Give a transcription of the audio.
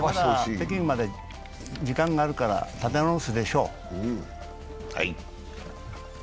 北京まで時間があるから、立て直すでしょう。